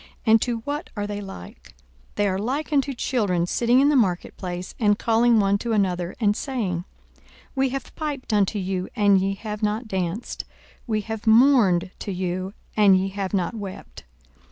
and to what are they like? 42:007:032 They are like unto children sitting in the marketplace, and calling one to another, and saying, We have piped unto you, and ye have not danced; we have mourned to you, and ye have not wept.